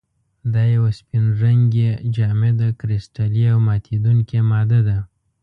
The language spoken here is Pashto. دا یوه سپین رنګې، جامده، کرسټلي او ماتیدونکې ماده ده.